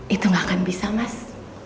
itu gak akan bisa mas